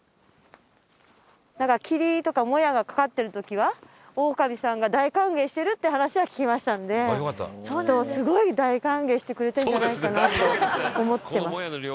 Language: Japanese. なんか霧とかもやがかかってる時はオオカミさんが大歓迎してるって話は聞きましたんできっとすごい大歓迎してくれてるんじゃないかなと思ってます。